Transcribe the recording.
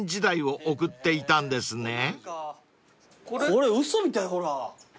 これ嘘みたいほら。